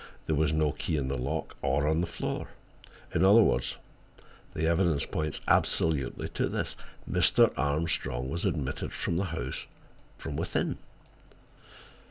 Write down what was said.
There was no key in the lock, or on the floor. In other words, the evidence points absolutely to this: Mr. Armstrong was admitted to the house from within."